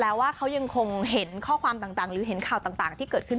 แล้วว่าเขายังคงเห็นข้อความต่างหรือเห็นข่าวต่างที่เกิดขึ้น